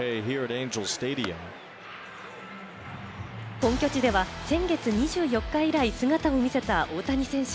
本拠地では先月２４日以来、姿を見せた大谷選手。